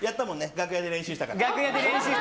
楽屋で練習したから。